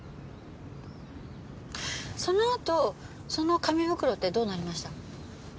そのあとその紙袋ってどうなりました？